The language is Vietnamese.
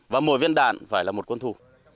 và mỗi viên đạn phải là một quân thù